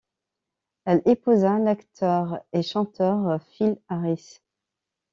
Elle épousa l'acteur et chanteur Phil Harris.